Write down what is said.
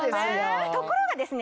ところがですね